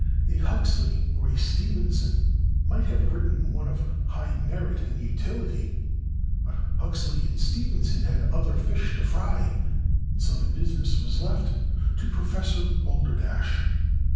A Huxley or a Stevenson might have written one of high merit and utility but Huxley and Stevenson had other fish to fry, and so the business was left to Prof. Balderdash.